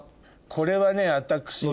これはね私ね。